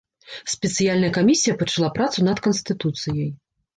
Спецыяльная камісія пачала працу над канстытуцыяй.